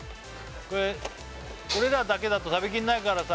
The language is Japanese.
これ俺らだけだと食べ切れないからさ